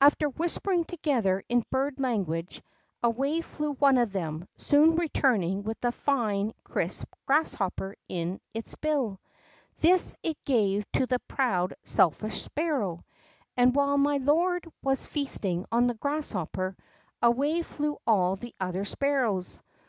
After whispering together in bird language, away flew' one of them, soon returning with a flne, crisp grasshopper in its hill. This it gave to the proud, selflsh sparrow. And while my lord was feasting on the grasshopper, away flew all the other sparrows.